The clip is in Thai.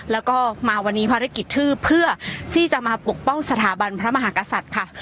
แล้วก็มาวันนี้ภารกิจคือเพื่อที่จะมาปกป้องสถาบันพระมหากษัตริย์ค่ะ